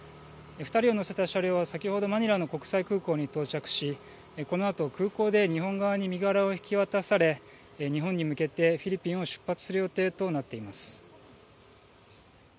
２人を乗せた車両は先ほどマニラの国際空港に到着しこのあと空港で日本側に身柄を引き渡され、日本に向けてフィリピンを出発する予定となっています。